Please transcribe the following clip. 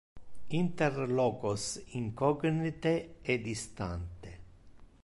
inter locos incognite e distante.